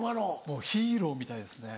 もうヒーローみたいですね。